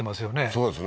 そうですね